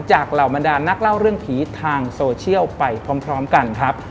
เหล่าบรรดานนักเล่าเรื่องผีทางโซเชียลไปพร้อมกันครับ